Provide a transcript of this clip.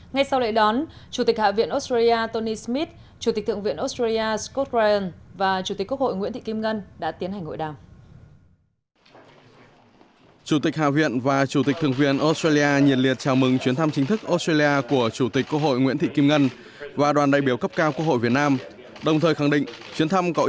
ngay sau lệ đón chủ tịch hạ viện australia tony smith chủ tịch thượng viện australia scott ryan và chủ tịch quốc hội nguyễn thị kim ngân đã tiến hành ngội đào